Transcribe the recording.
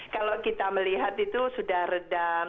kalau kita melihat itu sudah redam